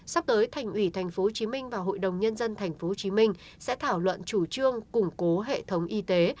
sắp tới thành ủy tp hcm và hội đồng nhân dân tp hcm sẽ thảo luận chủ trương củng cố hệ thống y tế